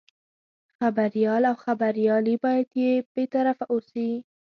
خبریال او خبریالي باید بې طرفه اوسي.